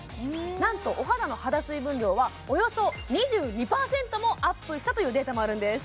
なんとお肌の肌水分量はおよそ２２％もアップしたというデータもあるんです